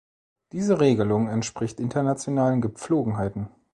Diese Regelung entspricht internationalen Gepflogenheiten.